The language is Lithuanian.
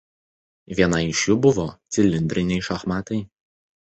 Viena iš jų buvo cilindriniai šachmatai.